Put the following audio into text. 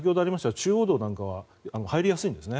中央道なんかは入りやすいんですよね。